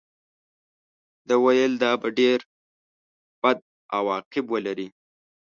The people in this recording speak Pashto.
ده ویل دا به ډېر بد عواقب ولري.